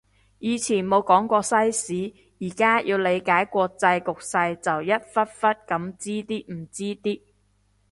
以前冇讀過西史，而家要理解國際局勢就一忽忽噉知啲唔知啲